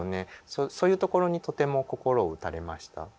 そういうところにとても心を打たれました。